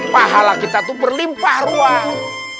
pahala kita itu berlimpah ruang